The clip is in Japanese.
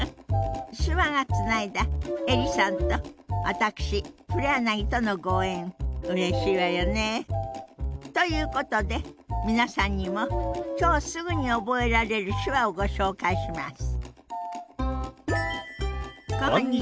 手話がつないだ映里さんと私黒柳とのご縁うれしいわよね。ということで皆さんにも今日すぐに覚えられる手話をご紹介します。